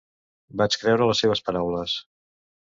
Vaig creure les seues paraules.